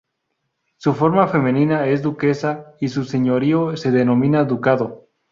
Su forma femenina es duquesa y su señorío se denomina ducado.